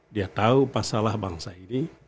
dia tahu masalah bangsa ini